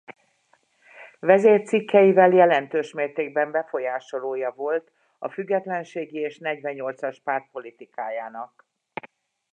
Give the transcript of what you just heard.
Vezércikkeivel jelentős mértékben befolyásolója volt a Függetlenségi és Negyvennyolcas Párt politikájának.